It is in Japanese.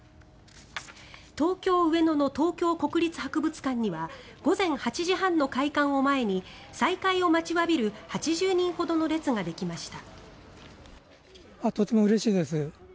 東京・上野の東京国立博物館には午前８時半の開館を前に再開を待ちわびる８０人ほどの列ができました。